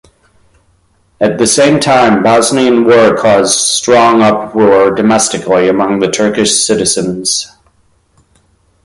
At the same time Bosnian War caused strong uproar domestically among the Turkish citizens.